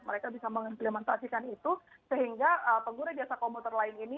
mereka bisa mengimplementasikan itu sehingga pengguna jasa komputer lain ini